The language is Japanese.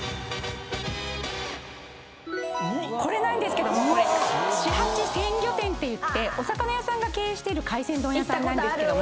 これなんですけどもシハチ鮮魚店っていってお魚屋さんが経営してる海鮮丼屋さんなんですけども。